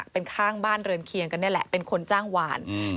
เป็นข้างบ้านเรือนเคียงกันนี่แหละเป็นคนจ้างหวาน